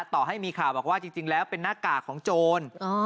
ต่อให้มีข่าวบอกว่าจริงแล้วเป็นหน้ากากของโจร